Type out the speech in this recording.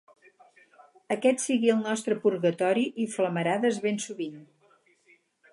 Aquest sigui el nostre purgatori i flamarades ben sovint.